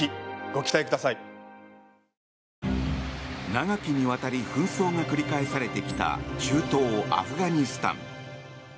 長きにわたり紛争が繰り返されてきた中東アフガニスタン。